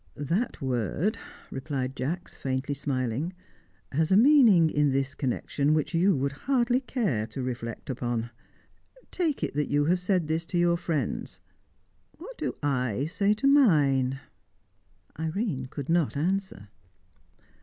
"That word," replied Jacks, faintly smiling, "has a meaning in this connection which you would hardly care to reflect upon. Take it that you have said this to your friends: what do I say to mine?" Irene could not answer.